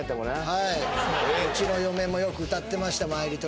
はいうちの嫁もよく歌ってました